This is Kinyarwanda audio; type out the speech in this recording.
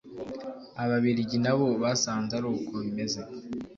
Ababiligi nabo basanze ari uko bimeze